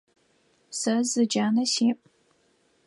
Сэ зы джанэ сиӏ.